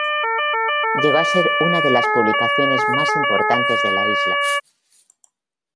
Llegó a ser una de las publicaciones más importantes de la isla.